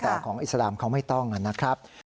แต่ของอิสลามเขาไม่ต้องนะครับ